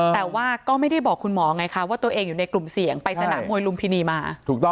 แต่ว่าก็ไม่ได้บอกคุณหมอไงคะว่าตัวเองอยู่ในกลุ่มเสี่ยงไปสนามมวยลุมพินีมาถูกต้อง